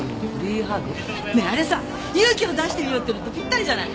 ねえあれさ勇気を出してみようっていうのとピッタリじゃない！